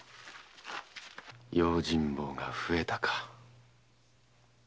用心棒が増えたか。